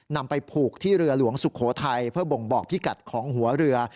นำไปผูกที่เรือหลวงสุโขทัยเพื่อบ่งบอกพิกัดของหัวเรือ